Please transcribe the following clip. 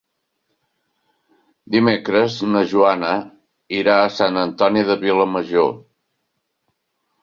Dimecres na Joana irà a Sant Antoni de Vilamajor.